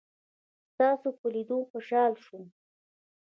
ستاسو په لیدلو خوشحاله شوم.